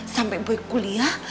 sampai boy kuliah